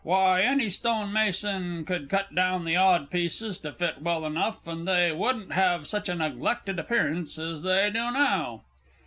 Why, any stonemason could cut down the odd pieces to fit well enough, and they wouldn't have such a neglected appearance as they do now.